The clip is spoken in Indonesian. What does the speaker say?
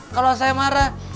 kalau saya marah